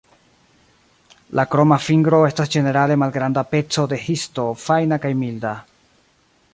La kroma fingro estas ĝenerale malgranda peco de histo fajna kaj milda.